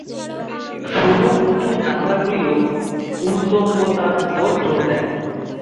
সরু উঁচু জানালাগুলিও উল্লম্বতার উপর জোর দেয়।